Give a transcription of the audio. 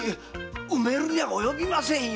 埋めるには及びませんよ！